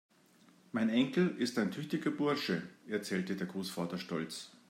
Mein Enkel ist ein tüchtiger Bursche, erzählte der Großvater stolz.